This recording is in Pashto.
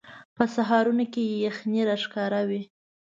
په سهارونو کې یخنۍ راښکاره وي